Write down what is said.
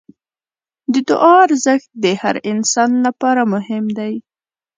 د دعا ارزښت د هر انسان لپاره مهم دی.